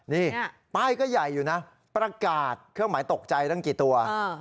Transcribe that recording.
นี่ป้ายก็ใหญ่อยู่นะประกาศเครื่องหมายตกใจตั้งกี่ตัว